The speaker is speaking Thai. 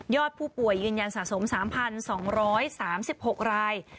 ผู้ป่วยยืนยันสะสม๓๒๓๖ราย